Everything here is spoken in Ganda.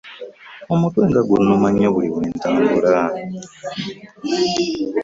Omutwe nga gunuma nnyo buli wentambula.